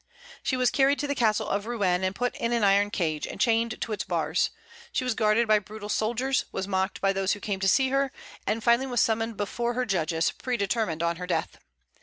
She was carried to the castle of Rouen and put in an iron cage, and chained to its bars; she was guarded by brutal soldiers, was mocked by those who came to see her, and finally was summoned before her judges predetermined on her death.